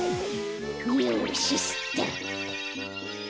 よしすった！